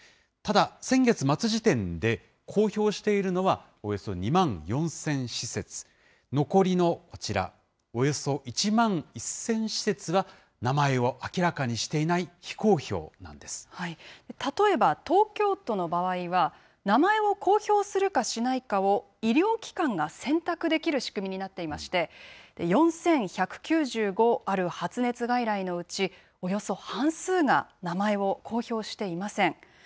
ただ、先月末時点で、公表しているのはおよそ２万４０００施設、残りのこちら、およそ１万１０００施設は名前を明らかにしていない非公表なんで例えば、東京都の場合は、名前を公表するかしないかを医療機関が選択できる仕組みになっていまして、４１９５ある発熱外来のうちおよそ半数が名前を公表していません。